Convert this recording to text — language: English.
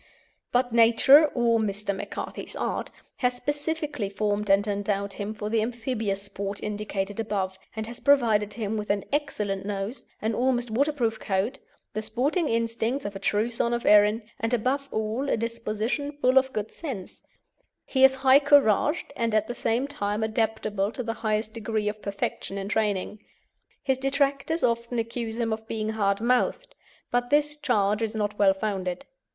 But Nature (or Mr. McCarthy's art) has specially formed and endowed him for the amphibious sport indicated above, and has provided him with an excellent nose, an almost waterproof coat, the sporting instincts of a true son of Erin, and, above all, a disposition full of good sense; he is high couraged, and at the same time adaptable to the highest degree of perfection in training. His detractors often accuse him of being hard mouthed, but this charge is not well founded.